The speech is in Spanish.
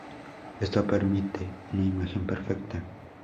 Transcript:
Esto permite una imagen perfecta.